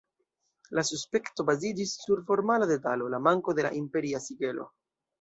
La suspekto baziĝis sur formala detalo: "la manko de la imperia sigelo.